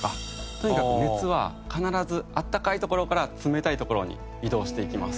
とにかく熱は必ず温かい所から冷たい所に移動していきます。